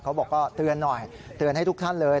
บอกว่าเตือนหน่อยเตือนให้ทุกท่านเลย